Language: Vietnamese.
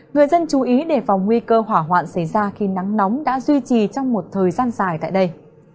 người dân chú ý đề phòng nguy cơ hỏa hoạn xảy ra khi nắng nóng đã duy trì trong một thời gian dài tại đây